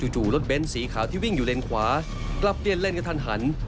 จู่รถเบ้นสีขาวที่วิ่งอยู่เลนขวากลับเปลี่ยนเลนกระทันหัน